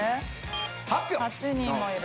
８人もいる。